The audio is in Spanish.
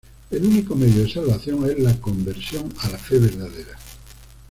El único medio de salvación es la conversión a la fe verdadera.